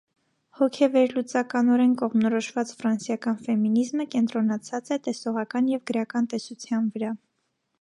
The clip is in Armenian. Հոգեվերլուծականորեն կողմնորոշված ֆրանսիական ֆեմինիզմը կենտրոնացած է տեսողական և գրական տեսության վրա։